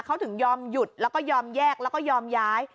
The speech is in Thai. เขาถึงยอมหยุดแล้วก็ยอมแยกแล้วก็ยอมย้าย